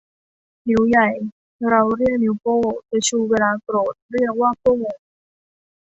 นิ้วใหญ่ เราเรียกนิ้วโป้ง จะชูเวลาโกรธ เรียกว่าโป้ง